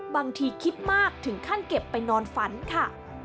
บางทีคิดมากถึงขั้นเก็บไปนอนฝันค่ะ